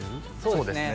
そうですね